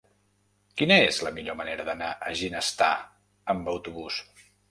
Quina és la millor manera d'anar a Ginestar amb autobús?